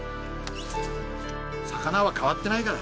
魚は変わってないから。